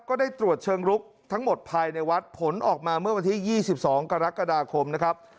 ก็ได้ตรวจเชิงลุกทั้งหมดภายในวัดผลออกมาเมื่อวันที่๒๒กรกฎาคมนะครับ